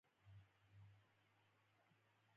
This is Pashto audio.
جانداد د پاکې ارادې سړی دی.